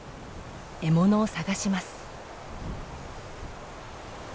獲物を探します。